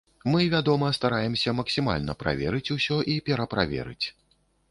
Мы, вядома, стараемся максімальна праверыць усё і пераправерыць.